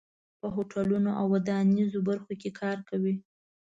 په هوټلونو او ودانیزو برخو کې کار کوي.